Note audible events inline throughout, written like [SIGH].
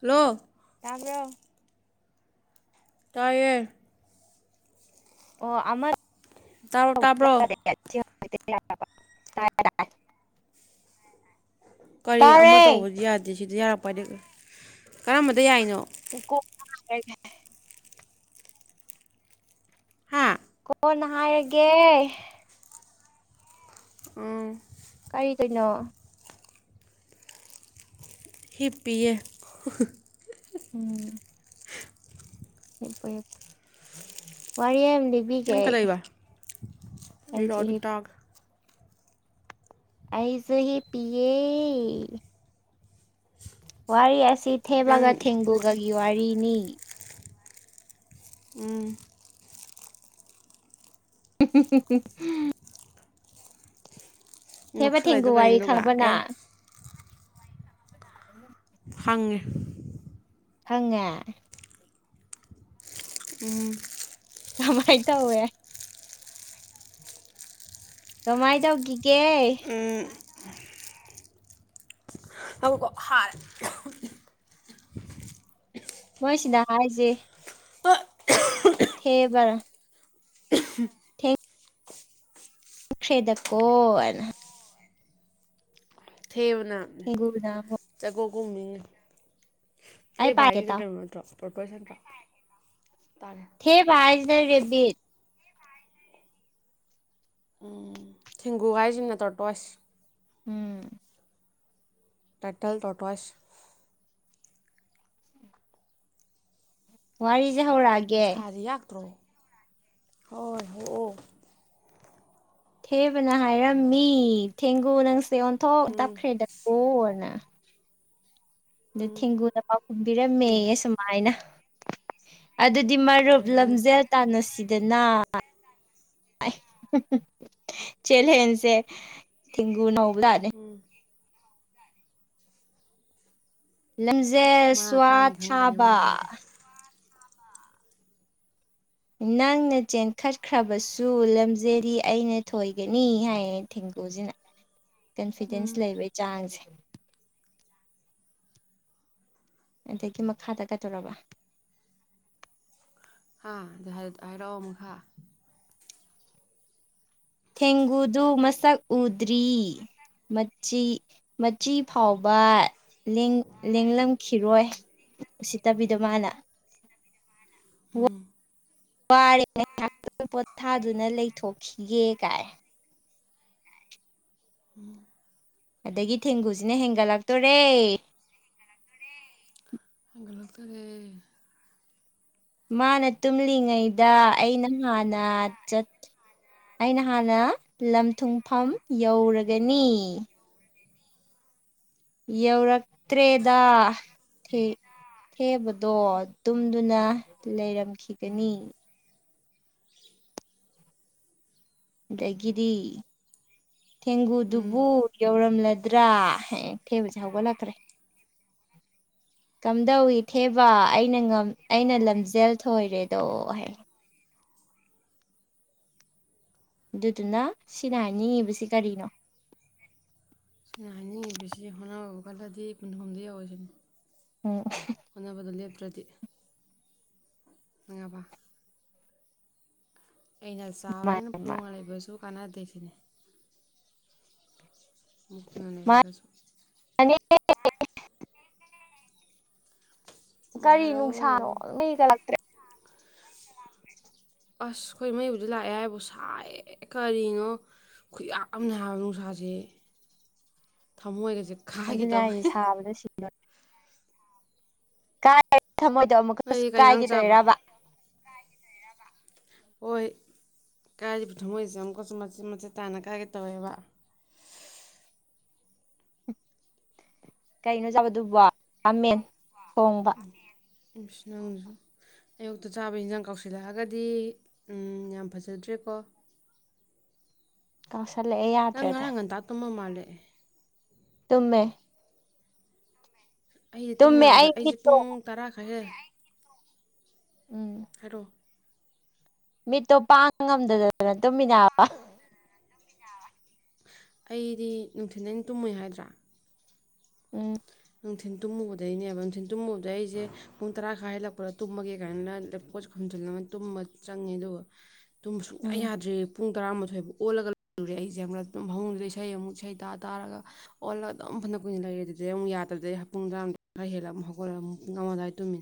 hello ꯇꯥꯝꯕ꯭ꯔꯣ ꯇꯌꯦ ꯑꯣ ꯑꯃ ꯇꯥꯕ꯭ꯔꯣ ꯇꯥꯕ꯭ꯔꯣ ꯆ ꯇꯔ ꯀꯔꯤ ꯑꯃ ꯇꯧꯕꯗꯤ ꯌꯥꯗꯦ ꯁꯤꯗ ꯌꯥꯔꯄ ꯀꯔꯝꯕꯗ ꯌꯥꯏꯅꯣ ꯔ ꯍꯥ ꯑꯣꯅ ꯍꯥꯏꯔꯒꯦ ꯎꯝ ꯀꯔꯤ ꯀꯩꯅꯣ ꯍꯤꯞꯄꯦ ꯏ ꯋꯥꯔꯤꯌꯦꯦ ꯕꯤ ꯀ ꯅꯪ ꯀꯗꯧꯕ ꯀ ꯂꯤꯔꯛꯑꯣ ꯆ ꯑꯗꯨ ꯍ ꯇꯥꯒꯦ ꯑꯩꯖ ꯍ ꯄꯑ ꯋꯥꯔꯤꯁ ꯁꯤ ꯊꯦꯕꯒ ꯅꯪ ꯊꯦꯡꯒꯨꯒꯒꯤ ꯋꯥꯔꯤ ꯅꯤ ꯎꯝ [UNINTELLIGIBLE] ꯊꯦꯕ ꯅꯣꯛꯁꯜꯂꯛꯏꯗꯣ ꯀꯩꯅꯣ ꯇꯦꯡꯒꯨꯋꯥꯔꯤ ꯑꯗꯨꯒ ꯑꯦ ꯈꯪꯕꯅꯅꯥ ꯎ ꯐꯪꯉꯤ ꯐꯪꯉꯦ ꯎꯝ ꯀꯃꯥꯏ ꯇ ꯍ ꯌꯥ ꯀꯃꯥꯏꯅ ꯇꯧꯈꯤꯒꯦ ꯑꯃꯨꯛꯀ ꯍꯥꯔꯦ ꯃꯣꯏ ꯁꯤꯅ ꯍꯥꯏꯁꯦ ꯊꯦꯕꯔ ꯊꯦꯡ ꯦꯗ ꯀꯣ ꯑꯅ ꯊꯦꯅ ꯊꯦꯡꯒꯨꯅ ꯑꯃꯨꯛ ꯆꯒꯣ ꯀꯨꯝꯃꯤ ꯑꯩ ꯍꯦ ꯥꯏ ꯄꯥꯏꯒꯦ ꯀꯅ ꯇꯥꯎ ꯀ ꯃ ꯇ꯭ꯔ ꯇ ꯄꯣꯏꯁ ꯅꯠꯇ ꯊꯦ ꯥꯏ ꯔꯦꯕꯤꯠ ꯊꯦꯡꯒꯨ ꯍꯥꯏꯁꯤꯅ ꯇꯧꯔ ꯇꯣꯁ ꯎꯝ ꯇꯥꯏꯇꯦꯜ ꯇꯣꯇꯁ ꯋꯥꯔꯤ ꯅꯨꯡꯁꯥꯔꯤ ꯌꯥꯛꯇ꯭ꯔꯣ ꯍꯣꯏ ꯍ ꯊꯦꯕꯅ ꯍꯥꯏꯔꯝꯃꯤ ꯊꯦꯡꯒꯨ ꯅꯪ ꯁ ꯑꯣꯟꯊꯣꯛ ꯎꯝ ꯇꯞꯈ꯭ꯔꯦꯗꯀꯣꯅ ꯑ ꯎꯝ ꯊꯦꯡꯒꯨꯗ ꯄꯥꯎꯈꯨꯝꯕꯤꯔꯝꯃꯦ ꯁꯨꯃꯥꯏꯅ ꯑꯗꯨꯗ ꯗꯤ ꯃꯔꯨꯞ ꯀꯩ ꯍꯥꯏꯅꯣ ꯂꯝꯖꯦꯜ ꯇꯥꯟꯅꯁꯤꯗ ꯆꯦꯜꯂꯦꯟꯁꯦ ꯊꯦꯡꯒꯨꯅꯧ ꯎꯝ ꯂꯝꯖꯦꯜ ꯃꯥꯅ ꯀꯥꯅꯤ ꯈꯪꯕꯩꯅꯦ ꯃꯥ ꯁ꯭ꯋꯥꯊꯥꯕ ꯍꯧꯔꯤꯗꯣ ꯅꯪꯅ ꯆꯦꯟꯈꯠꯈ꯭ꯔꯕꯁꯨ ꯂꯝꯖꯦꯜꯗꯤ ꯑꯩꯅ ꯊꯣꯏꯒꯅꯤ ꯍꯥꯏꯌꯦ ꯊꯦꯡꯒꯨꯁꯤꯅ ꯀꯟꯐꯤꯗꯦꯟꯁ ꯎꯝ ꯂꯩꯕꯒꯤ ꯆꯥꯡꯁꯦ ꯑꯗꯒꯤ ꯃꯈꯥꯗ ꯀꯩꯗꯧꯔꯕ ꯍꯥꯏꯥꯏꯔꯛ ꯑꯃꯈꯥꯛ ꯊꯦꯡꯒꯨꯗꯨ ꯃꯁꯛ ꯎꯗ꯭ꯔꯤ ꯃꯆꯤ ꯃꯆꯤ ꯐꯥꯎꯕ ꯂꯡꯂꯂꯝꯈꯤꯔꯣꯏ ꯎꯁꯤꯠꯇꯕꯤꯗꯣ ꯃꯥꯅ ꯎꯝ ꯋꯥꯔꯦ ꯉꯍꯥꯛꯇ ꯄꯣꯊꯥꯗꯨꯅ ꯂꯩꯊꯣꯛꯈꯤꯒꯦ ꯀꯥꯏ ꯎꯝ ꯑꯗꯒꯤ ꯊꯦꯡꯒꯨꯁꯤꯅ ꯍꯦꯟꯒꯠꯂꯛꯇꯣꯔꯦ ꯒꯂꯛꯇꯒꯤ ꯃꯥꯅ ꯇꯨꯝꯂꯤꯉꯩꯗ ꯑꯩꯅ ꯍꯥꯟꯅ ꯑꯩꯅ ꯍꯥꯟꯅ ꯂꯝ ꯊꯨꯡꯐꯝ ꯌꯧꯔꯒꯅꯤ ꯌꯧꯔꯛꯇ꯭ꯔꯦꯗ ꯊꯦꯕꯗꯣ ꯇꯨꯝꯗꯨꯅ ꯂꯩꯔꯝꯈꯤꯒꯅꯤ ꯗꯒꯔꯤ ꯎꯝ ꯊꯦꯡꯒꯨꯗꯨꯕꯨ ꯌꯧꯔꯝꯂ ꯗ꯭ꯔꯥ ꯍ ꯊꯦꯕꯁꯦ ꯍꯧꯒꯠꯂꯛꯈ꯭ꯔꯦ ꯀꯝꯗꯧꯏꯤ ꯊꯦꯕ ꯑꯩꯅ ꯑꯩꯅ ꯂꯝꯖꯦꯜ ꯊꯣꯏꯔꯦꯗꯣ ꯍꯥꯏ ꯑꯗꯨꯗꯨꯅ ꯁꯤꯅ ꯍꯥꯏꯅꯤꯡꯉꯤꯕꯁꯤ ꯀꯔꯤꯅꯣ ꯁꯤꯅ ꯍꯥꯏꯅꯤꯡꯉꯤꯕꯁꯤ ꯍꯣꯅ ꯀꯜꯂꯗꯤ ꯀꯨꯟꯍꯨꯝꯗ ꯌꯥꯎꯋꯁꯤꯅꯦ ꯎꯝ ꯃꯅꯕ ꯇ ꯉꯅꯨꯡꯉꯕ ꯑꯩꯅ ꯃꯥꯅꯦ ꯆꯥꯎꯔꯦꯅ ꯃꯥꯅꯦ ꯄꯣꯉꯒ ꯂꯩꯕꯁꯨ ꯀꯅꯥꯗꯁꯤꯅꯦ ꯃꯅꯦꯗꯁꯨ ꯃꯥꯅꯦ ꯀꯔꯤ ꯃꯥꯔꯣ ꯅꯨꯡꯁꯥꯅꯣ ꯂꯩꯒꯠꯂꯛꯇ꯭ꯔꯦ ꯑꯁ ꯑꯩꯈꯣꯏ ꯃꯩꯕꯨꯗꯤ ꯂꯥꯛꯑꯦ ꯍꯥꯏꯕꯨ ꯁꯥꯏ ꯀꯔꯤꯅꯣ ꯈꯨꯌꯥꯥꯛ ꯑꯃꯅꯦ ꯍꯥꯏꯕ ꯅꯨꯡꯁꯥꯁꯦ ꯊꯃꯣꯏꯒꯁꯦ ꯀꯥꯏꯒꯦ ꯑꯗꯨꯅ ꯇꯧꯋꯦ ꯑꯩꯁꯦ ꯁꯥꯕꯗ ꯁꯤ ꯅ ꯀꯥꯏ ꯊꯃꯣꯏꯗꯣ ꯑꯃꯨꯛꯀꯁꯨ ꯅꯣꯏꯗꯤ ꯀꯩ ꯏꯟꯖꯥꯡ ꯆꯥꯕ ꯀꯥꯏꯒꯦꯗꯣꯏꯔꯕ ꯍꯣꯏ ꯀꯥꯏꯔꯤꯕ ꯊꯝꯃꯣꯏꯁꯦ ꯑꯃꯨꯛꯀꯁꯨ ꯃꯆꯦꯠ ꯃꯆꯦꯠ ꯇꯥꯅ ꯀꯥꯏꯒꯦ ꯇꯧꯋꯦꯕ ꯀꯩꯅꯣ ꯆꯥꯕꯗꯨꯕꯃꯦꯟ ꯇꯣꯡꯕ ꯅꯪ ꯑꯌꯨꯛꯇ ꯆꯥꯕ ꯏꯟꯁꯥꯡ ꯀꯧꯁꯤꯜꯂꯛꯑꯒꯗꯤ ꯌꯥꯝ ꯐꯖꯗ꯭ꯔꯦꯀꯣ ꯀ ꯅꯉ ꯇꯥꯇꯃ ꯃꯥꯜꯂꯦ ꯇꯨꯝꯃꯦ ꯑꯩꯗꯤ ꯇꯨꯝꯃꯦ ꯇꯨꯝꯌꯥꯗ ꯑꯩ ꯑꯩꯁꯦ ꯃꯤꯠꯇꯣ ꯄꯨꯡ ꯇꯔꯥꯈꯔꯦ ꯎꯝ ꯍꯣ ꯃꯤꯠꯇꯣ ꯄꯥꯡ ꯉꯝꯗꯗ ꯑꯗꯨꯅ ꯇꯨꯝꯃꯤꯟꯅꯕ ꯑꯩꯗꯤ ꯅꯨꯡꯊꯤꯜꯅꯤ ꯇꯨꯝꯃꯣꯏ ꯍꯥꯏꯗ꯭ꯔꯥ ꯎꯝ ꯅꯨꯡꯊꯤꯟ ꯇꯨꯝꯃꯨꯕꯗꯩꯅꯦꯕ ꯅꯨꯡꯊꯤꯜ ꯇꯨꯝꯃꯨꯕꯗꯩ ꯑꯩꯁꯦ ꯄꯨꯡ ꯇꯔꯥ ꯈꯔ ꯍꯜꯂꯛꯄꯗ ꯇꯨꯝꯃꯒꯦ ꯀꯥꯏꯅ ꯂꯦꯞ ꯄꯣꯠ ꯈꯣꯝꯖꯤꯜꯂꯒ ꯇꯨꯝꯕ ꯆꯪꯉꯦ ꯑꯗꯨꯕꯨ ꯑꯗꯨꯨꯝꯝ ꯁꯨꯡꯌꯥ ꯎꯝ ꯌꯥꯗ꯭ꯔꯦ ꯄꯨꯡ ꯇꯔꯥꯃꯥꯊꯣꯏꯕꯨ ꯑꯣꯜꯂꯒ ꯂꯩꯔꯨꯔꯦ ꯑꯩꯁꯦ ꯍ ꯑꯗꯨꯝ ꯐꯃꯨꯡꯗꯨꯗ ꯏꯁꯩ ꯑꯃꯨꯛ ꯏꯁꯩ ꯇꯥ ꯇꯥꯔꯒ ꯑꯣꯜꯂꯒ ꯑꯗꯨꯝ ꯐꯅ ꯀꯨꯏꯅ ꯂꯩꯔꯦ ꯑꯗꯨꯗꯩ ꯑꯃꯨꯛ ꯌꯥꯔꯦ ꯃꯇꯝꯗꯩ ꯄꯨꯡ ꯇꯔꯥꯃꯗ ꯈꯔ ꯍꯦꯜꯂꯒ ꯑꯃꯨ ꯍꯧꯒꯠꯂꯛ ꯑꯃꯨ ꯉꯝꯃ ꯑꯗꯨꯋꯥꯏ ꯇꯨꯝꯃꯤ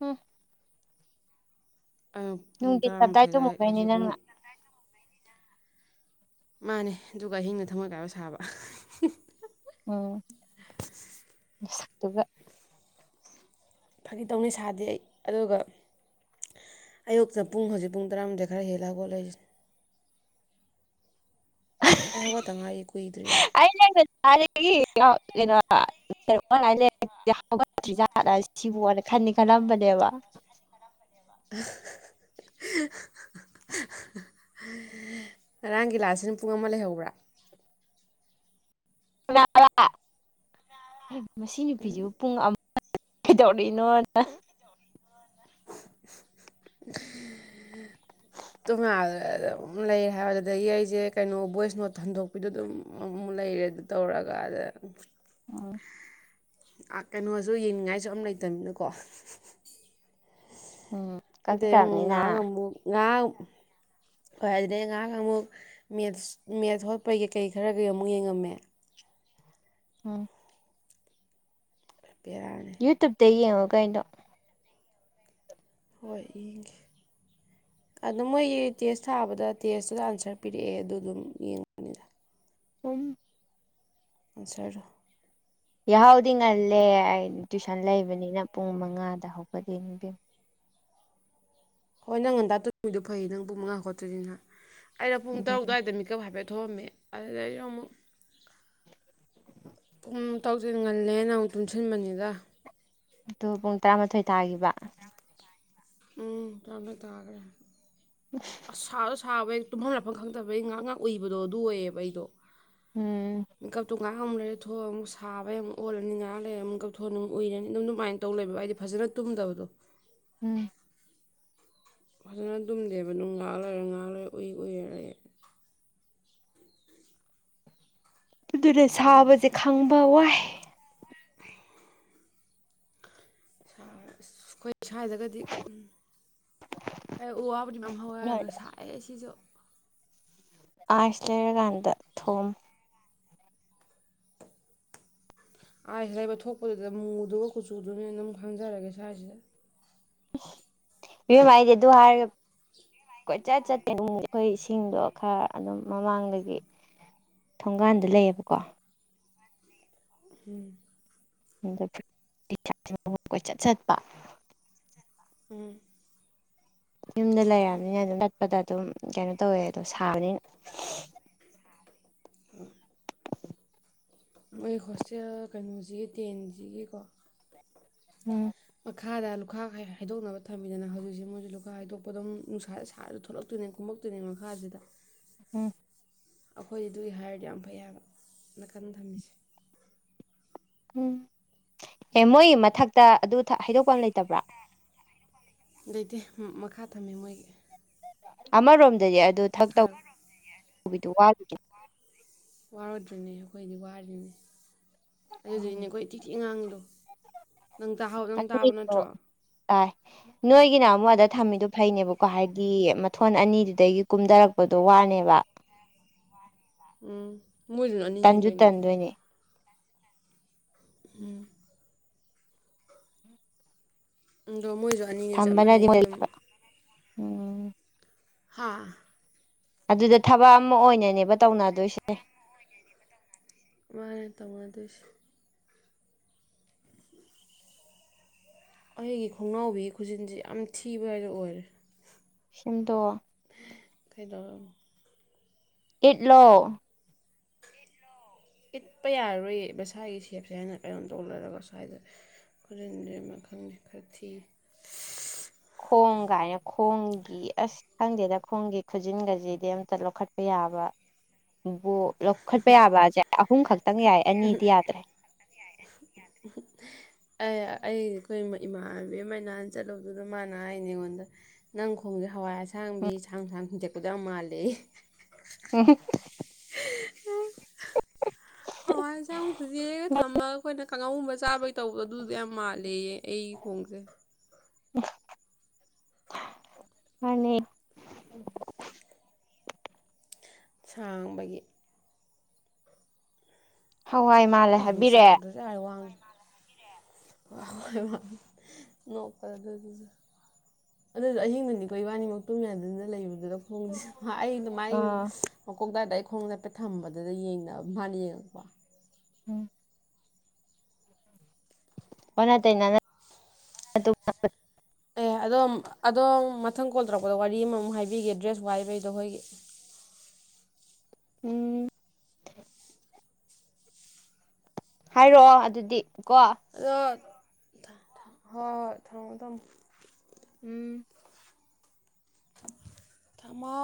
ꯎꯝ ꯑꯌꯨꯛ ꯄꯨꯡ ꯅꯨꯡꯊꯤꯟ ꯇꯞꯇꯥꯏ ꯇꯔꯥꯃꯥꯊꯣꯏꯗ ꯆꯨꯝꯃꯨꯕꯩꯅꯤ ꯍꯧꯖꯤꯛ ꯄꯨꯡ ꯅꯪꯅ ꯃꯥꯅꯦ ꯑꯗꯨꯒ ꯑꯍꯤꯡꯗ ꯊꯝꯃꯣꯏ ꯀꯥꯏꯕ ꯁꯥꯕ ꯎꯝ ꯑꯗꯨꯒꯒ ꯐꯥꯒꯤ ꯇꯧꯅꯤ ꯁꯥꯗꯦ ꯑꯩ ꯑꯗꯨꯒ ꯑꯌꯨꯛꯇꯅ ꯄꯨꯡ ꯍꯧꯖꯤꯛ ꯄꯨꯡ ꯇꯔꯥꯃꯨꯝꯊꯣꯏ ꯈꯔ ꯍꯦꯜꯂꯒ ꯈꯣꯠꯂꯔꯤꯁꯤ ꯑꯩ ꯍꯧꯒꯠꯇ ꯉꯥꯏꯔꯤ ꯀꯨꯏꯗ꯭ꯔꯤ ꯩꯅ ꯥꯏ ꯍꯧꯒꯠꯇ꯭ꯔꯤꯖꯥꯠ ꯁꯤꯕꯨꯅ ꯈꯅꯤ ꯈꯜꯂꯝꯕꯅꯦꯕ ꯉꯔꯥꯡꯒꯤ ꯂꯥꯁꯤꯅ ꯄꯨꯡ ꯑꯃ ꯂꯩꯍꯧꯕ꯭ꯔꯥ [UNINTELLIGIBLE] ꯃꯁꯤ ꯅꯨꯄꯤꯗꯨꯕꯨ ꯄꯨꯡ ꯇꯧꯅꯣꯅ ꯇꯣꯉꯥꯟꯝ ꯂꯩꯔꯦ ꯍꯥꯏꯕꯗ ꯌꯩꯁꯦ ꯀꯩꯅꯣ ꯚꯣꯏꯁ ꯅꯣꯠ ꯍꯟꯗꯣꯛꯄꯤꯗꯣ ꯑꯗꯨꯝ ꯑꯃꯨꯛ ꯂꯩꯔꯦ ꯑꯗꯨ ꯇꯧꯔꯒ ꯑꯗ ꯑꯣ ꯀꯩꯅꯣꯁꯨ ꯌꯦꯡꯅꯤꯡꯉꯥꯏꯁꯨ ꯑꯝ ꯂꯩꯇꯅꯤꯅꯀꯣ ꯎꯝ ꯑ ꯀꯛꯈ꯭ꯔꯕꯅꯤꯅ ꯉ ꯉ ꯉ ꯍꯣꯏ ꯑꯗꯨ ꯑꯗꯨꯗꯤ ꯑꯉꯍꯥꯡ ꯑꯃꯨꯛ ꯃꯦ ꯃꯦꯠꯁ ꯍꯣꯠꯄꯩ ꯀꯩꯀꯩ ꯈꯔ ꯀꯩ ꯑꯃꯨꯛ ꯌꯦꯡꯉꯝꯃꯦ ꯎꯝ ꯄꯦꯌꯥꯔ ꯌꯨꯇꯨꯨꯞꯗꯌꯦ ꯍꯧꯒꯗꯣ ꯍꯣꯏ ꯌꯦꯡꯒꯦ ꯑ ꯃꯣꯏꯒꯤ ꯇꯦꯁ ꯊꯥꯕꯗ ꯇꯦꯁꯇꯨꯗ ꯑꯟꯁꯔ ꯄꯤꯔꯛꯑꯦ ꯑꯗꯨ ꯑꯗꯨꯝ ꯌꯦꯡꯕꯅꯤꯗ ꯎꯨꯝ ꯑꯆꯔ ꯌꯥꯍꯥꯎꯗꯤ ꯉꯜꯂꯦ ꯑꯩ ꯇꯨꯏꯁꯟ ꯂꯩꯕꯅꯤꯅ ꯄꯨꯡ ꯃꯉꯥꯗ ꯍꯧꯒꯗꯤꯕꯤꯌꯨ ꯍꯣꯏ ꯅꯪ ꯉꯟꯇꯥ ꯇꯣꯗꯨꯣ ꯐꯩ ꯅꯪ ꯄꯨꯡ ꯃꯉꯥ ꯈꯣꯠꯇꯣꯏꯁꯤꯅ ꯑꯩꯅ ꯄꯨꯡ ꯇꯔꯨ ꯏꯕꯦꯝꯃ ꯑꯗꯨꯋꯥꯏꯗ ꯃꯤꯀꯞ ꯍꯥꯏꯐꯦ ꯊꯣꯛꯣꯑꯝꯃꯦ ꯑꯗꯨꯗꯩꯗ ꯑꯃꯨꯛ ꯇꯧꯁꯤꯟꯒꯜꯂꯦ ꯅꯪ ꯇꯨꯡꯁꯤꯟꯕꯅꯤꯗ ꯑꯗꯨ ꯄꯨꯡ ꯇꯔꯥꯃꯥꯊꯣꯏ ꯇꯥꯈꯤꯕ ꯎꯝ ꯇꯥꯝꯃꯤ ꯊꯉꯒ ꯁꯥ ꯁꯥꯕ ꯇꯨꯝꯐꯝ ꯂꯥꯐꯝ ꯈꯪꯗꯕ ꯑꯩ ꯉꯍ ꯉꯍꯥꯛ ꯎꯏꯕꯗꯣ ꯑꯗꯨ ꯑꯣꯏꯌꯦꯕ ꯑꯩꯗꯣ ꯎꯝ ꯉꯥꯏꯍꯥꯡꯨꯛ ꯂꯩꯔꯦ ꯊꯣꯛꯑ ꯑꯃꯨꯛ ꯁꯥꯕ ꯑꯃꯨꯛ ꯑꯣꯜꯂꯅꯤ ꯉꯥꯏꯍꯥꯛ ꯂꯩꯔꯦ ꯑꯃꯨꯛ ꯀꯛꯊꯣꯛꯑꯅꯤ ꯑꯃꯨꯛ ꯎꯏꯔꯅꯤ ꯑꯗꯨꯝ ꯑꯗꯨꯃꯥꯏꯅ ꯇꯧ ꯂꯩꯕ ꯍꯥꯏꯗꯤ ꯐꯖꯅ ꯇꯨꯝꯗꯕꯗꯣ ꯎꯝ ꯐꯖꯅ ꯑꯗꯨꯨꯝꯗꯦꯕ ꯅꯨꯡ ꯉꯥꯛ ꯂꯣꯏꯔꯦ ꯉꯥꯥꯛ ꯂꯣꯏꯔ ꯎꯏ ꯎꯏꯔꯔꯦ ꯑꯗꯨꯅ ꯑꯗꯨꯏꯅꯤ ꯁꯥꯕꯁꯦ ꯈꯪꯕ ꯋꯥꯏ ꯣꯏ ꯁꯋꯥꯗꯒꯗꯤ ꯍꯥꯏ ꯎ ꯋꯥꯕꯨꯗꯤ ꯃ ꯍꯧꯋꯦ ꯍꯥꯏꯔꯒ ꯁꯥꯏ ꯁꯤꯁꯨ ꯑꯁꯦꯔ ꯀꯥꯟꯗ ꯊꯣꯝ ꯑꯥꯏꯁꯤ ꯂꯩꯕ ꯊꯣꯛꯄꯗꯨꯗ ꯃꯨꯗꯨꯒ ꯀꯨꯆꯨꯗꯨꯅꯦꯅ ꯑꯗꯨꯝ ꯈꯪꯖꯔꯒꯦ ꯁ꯭ꯋꯥꯏꯁꯤꯗ ꯏꯦꯝꯃꯥꯏꯗꯤ ꯑꯗꯨ ꯍꯥꯏꯔꯒ ꯀꯣꯏꯆꯠ ꯆꯠꯇꯦ ꯑꯩꯈꯣꯏ ꯏꯁꯤꯡꯗꯣ ꯈꯔ ꯑꯗꯨꯝ ꯃꯃꯥꯡꯗꯒꯤ ꯊꯣꯡꯒꯥꯟꯗ ꯂꯩꯌꯦꯕꯀꯣ ꯍꯝ ꯀꯣꯏ ꯆꯠ ꯆꯠꯄ ꯎꯝ ꯌꯨꯝꯗ ꯂꯩꯔꯕꯔꯕꯅꯤꯅ ꯑꯗꯨꯝ ꯆꯠꯄꯗ ꯑꯗꯨꯝ ꯀꯩꯅꯣ ꯇꯧꯋꯦ ꯑꯗꯣ ꯁꯥꯕꯅꯤꯅ ꯎꯝ ꯑꯩꯣꯏ ꯍꯣꯁꯇꯦꯜ ꯀꯩꯅꯣꯁꯤꯒꯤ ꯇꯦꯟꯁꯤꯒꯤꯀꯣ ꯎꯝ ꯃꯈꯥꯗ ꯂꯨꯈꯥ ꯍꯥꯏꯗꯣꯛꯅꯕ ꯊꯝꯕꯤꯗꯅ ꯍꯧꯖꯤꯛꯁꯦ ꯃꯣꯏꯁ ꯂꯨꯈꯥ ꯍꯥꯏꯗꯣꯛꯄ ꯑꯗꯨꯝ ꯅꯨꯡꯁꯥ ꯁꯥꯔ ꯊꯣꯛꯂꯛꯇꯣꯏꯅꯦ ꯀꯨꯝꯃꯛꯇꯣꯏꯅꯦ ꯃꯈꯥꯁꯤꯗ ꯎꯝ ꯑꯩꯈꯣꯏ ꯑꯗꯨꯒꯤ ꯍꯥꯏꯔꯗꯤ ꯌꯥꯝ ꯐꯩ ꯍꯥꯏꯕ ꯅꯥꯀꯟꯗ ꯊꯝꯃꯤꯁꯤ ꯎꯝ ꯑꯦ ꯃꯣꯏ ꯃꯊꯛꯇ ꯑꯗꯨ ꯍꯥꯏꯗꯣꯛꯄ ꯑꯃ ꯂꯩꯇꯕ꯭ꯔꯥ ꯂꯩꯇꯦ ꯃꯈꯥ ꯊꯝꯃꯤ ꯃꯣꯏꯒꯤ ꯑꯃꯥ ꯔꯣꯝ ꯑꯗꯨꯗꯤ ꯑꯗꯨ ꯊꯛ ꯃꯈꯥ ꯇꯧ ꯕꯤꯗꯨ ꯋꯥ ꯋꯥꯔꯗ꯭ꯔꯤꯅꯦ ꯑꯩꯈꯣꯏꯗꯤ ꯋꯥꯗꯅꯦ ꯑꯗꯨꯗꯨꯅꯦ ꯑꯩꯈꯣꯏ ꯇꯤꯊꯤ ꯑꯉꯥꯡꯗꯣ ꯎ ꯅꯪ ꯇꯥꯍ ꯅꯪ ꯇꯥꯕ ꯅꯠꯇ꯭ꯔꯣ ꯑꯥꯏ ꯅꯣꯏꯒꯤꯅ ꯑꯃꯨꯛ ꯑꯗ ꯊꯝꯃꯤꯗꯣ ꯐꯩꯅꯦꯕꯀꯣ ꯍꯥꯏꯗꯤ ꯊꯣꯟ ꯑꯅꯤꯗꯨꯗꯒꯤ ꯀꯨꯝꯊꯔꯛꯄꯗꯣ ꯋꯥꯅꯦꯕ ꯎꯝ ꯃꯣꯏꯗꯨꯅꯅꯤꯅꯦ ꯇꯟꯁꯨ ꯀꯩꯅꯣ ꯇꯟꯗꯣꯏꯅꯦ ꯎꯝ ꯑꯗꯣ ꯃꯣꯏꯁꯨ ꯑꯅꯤꯅꯤ ꯆꯞ ꯊꯝꯕꯅꯗꯤ ꯃꯥꯟꯅꯩ ꯑꯗꯨꯝ ꯎꯝ ꯍꯥꯥ ꯑꯗꯨꯗ ꯊꯕꯛ ꯑꯃ ꯑꯣꯏꯅꯅꯦꯕ ꯇꯧꯅꯗꯣꯏꯁꯦ ꯃꯦ ꯇꯉꯗꯁ ꯑꯩꯒꯤ ꯈꯣꯡꯅꯥꯎꯕꯤꯒꯤ ꯈꯨꯖꯤꯟꯁꯤ ꯌꯥꯝ ꯊꯤꯕ ꯍꯥꯏꯅ ꯑꯣꯏꯔꯦ ꯁꯤꯝꯗꯣ ꯑꯗꯣ ꯏꯠꯂꯣ ꯏꯠꯄ ꯌꯥꯔꯔꯣꯏ ꯃꯁꯥꯒꯤ ꯁꯦꯞꯁꯦ ꯍꯥꯏꯅ ꯀꯩꯅꯣꯝ ꯇꯧ ꯂꯩꯂꯒ ꯁ꯭ꯋꯥꯏꯗ ꯈꯨꯖꯤꯟꯗꯔꯤ ꯑꯃ ꯈꯪꯗꯦ ꯈꯔ ꯊꯤ ꯈꯣꯡ ꯀꯥꯏꯅ ꯈꯣꯡꯒꯤ ꯑꯁ ꯈꯪꯗꯦꯗ ꯈꯣꯡꯒꯤ ꯈꯨꯖꯤꯟꯒꯁꯤꯗꯤ ꯑꯝꯇ ꯂꯧꯈꯠꯄ ꯌꯥꯕ ꯕꯣꯛ ꯂꯧꯈꯠꯄ ꯌꯥꯕꯁꯦ ꯑꯍꯨꯝ ꯈꯛꯇꯪ ꯌꯥꯏ ꯑꯅꯤꯗꯤ ꯌꯥꯗ꯭ꯔꯦ ꯑꯦ ꯑꯩ ꯑꯩꯈꯣꯏ ꯏꯃꯥꯟꯅꯕꯤ ꯑꯃꯅꯥꯍꯥꯟ ꯆꯠꯂꯨꯗꯨꯗ ꯃꯥꯅ ꯍꯥꯏꯅꯦ ꯑꯩꯉꯣꯟꯗ ꯅꯪ ꯈꯣꯡꯁꯦ ꯍꯋꯥꯏꯔꯁꯦ ꯑꯁꯥꯡꯕꯤ ꯁꯥꯡ ꯁꯥꯡꯗꯦꯛꯄꯗ ꯃꯥꯜꯂꯤꯦ ꯂꯩ ꯎꯝ ꯎ [UNINTELLIGIBLE] ꯍꯏꯁꯦ ꯑꯃꯨꯛꯇꯖꯤ ꯊꯝꯕ ꯑꯩꯈꯣꯏꯅ ꯀꯥꯡꯉꯧꯒꯨꯝꯕ ꯆꯥꯕꯩ ꯇꯧꯕ ꯑꯗꯨꯗ ꯌꯥꯝ ꯃꯥꯜꯂꯦꯌꯦ ꯑꯩꯒꯤ ꯈꯣꯡꯁꯦ ꯑꯅꯤ ꯁꯥꯡꯕꯒꯤ ꯍꯋꯥꯏ ꯃꯥꯜꯂꯦ ꯍꯥꯏꯕꯤꯔꯛꯑꯦ ꯍ ꯍꯣꯏ ꯅꯣꯛꯄ ꯑꯗꯨꯁꯨ ꯑꯍꯤꯡꯗꯅꯤꯀꯣ ꯏꯕꯥꯅꯤꯃꯛꯇꯨꯃꯤ ꯑꯗꯨꯅ ꯂꯩꯕꯗꯨꯗ ꯃꯥꯏ ꯑꯥ ꯃꯈ ꯇ ꯈꯣꯡ ꯅꯞꯄ ꯊꯝꯕꯗꯨꯗ ꯌꯦꯡꯅꯕ ꯃꯥꯅ ꯌꯦꯡꯉꯛꯄ ꯎꯝ ꯑꯣꯅ ꯇꯩꯅꯥꯅꯥ ꯑꯦ ꯑꯗꯣꯝ ꯑꯗꯣꯝ ꯃꯊꯪ ꯀꯣꯜ ꯇꯧꯔꯛꯄꯗ ꯋꯥꯔꯤ ꯑꯃꯃꯨꯛ ꯍꯥꯏꯕꯤꯒꯦ ꯗ꯭ꯔꯦꯁ ꯋꯥꯏꯕꯩꯗꯣ ꯑꯩꯈꯣꯏꯒꯤ ꯎꯝ ꯍꯥꯏꯔꯛꯑꯣ ꯑꯗꯨꯗꯤ ꯀꯣ ꯑꯗꯣ ꯍꯣꯏ ꯍꯣꯏ ꯊꯝꯃꯗꯝ ꯎꯝ ꯊꯃ